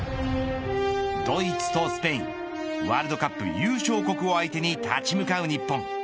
ドイツとスペインワールドカップ優勝国を相手に立ち向かう日本。